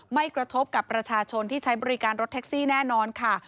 ไม่กระทบกับประชาชนที่ใช้บริการรถแท็กซี่แน่นอนค่ะ